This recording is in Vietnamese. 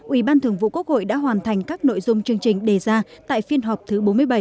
ủy ban thường vụ quốc hội đã hoàn thành các nội dung chương trình đề ra tại phiên họp thứ bốn mươi bảy